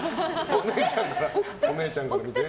お姉ちゃんから見て？